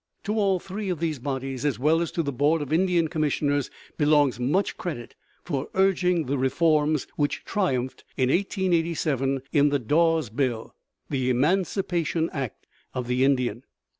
To all three of these bodies, as well as to the Board of Indian Commissioners, belongs much credit for urging the reforms which triumphed, in 1887, in the "Dawes bill," the Emancipation Act of the Indian.